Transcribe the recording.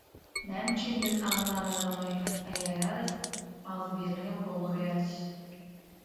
Näme üçin biz agzalalygy saýlaýarys, agzybirligem gowy görýäris?